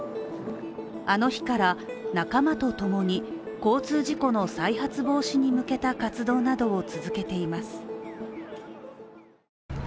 あの日から仲間とともに交通事故の再発防止に向けた活動などを続けています。